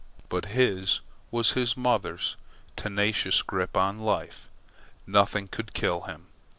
But his was his mother's tenacious grip on life. Nothing could kill him.